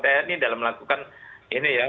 tni dalam melakukan ini ya